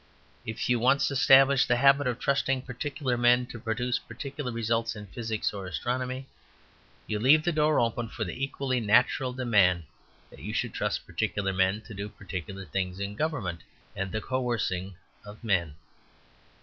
If you once establish the habit of trusting particular men to produce particular results in physics or astronomy, you leave the door open for the equally natural demand that you should trust particular men to do particular things in government and the coercing of men.